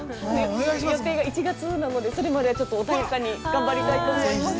◆予定が１月なので、それまではちょっと穏やかに頑張りたいと思います。